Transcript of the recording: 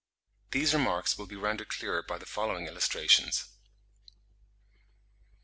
These remarks will be rendered clearer by the following illustrations.